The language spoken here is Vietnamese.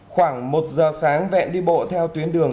khoảng một giờ sáng vẹn đi bộ theo tuyến đường